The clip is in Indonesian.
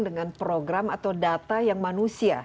dengan program atau data yang manusia